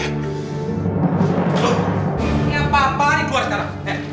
loh ini apaan apaan ini keluar sekarang